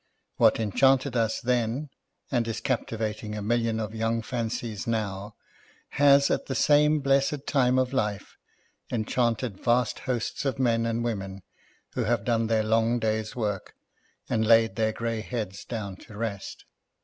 What enchanted us then, and is captivating a million of young fancies now, has, at the same blessed time of life, enchanted vast hosts of men and women who have done their long day's work, a nd laid their grey heads down to rest.